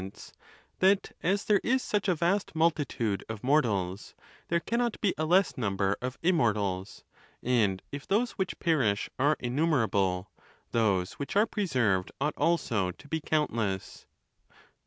ence, that, as there is such a vast multitude of niovtals, there cannot be a less number of immortals ; and if those which perish are innumerable, those which are preserved ought also to be countless.